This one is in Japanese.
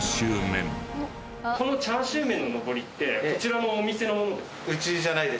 このチャーシューメンののぼりってこちらのお店のものですか？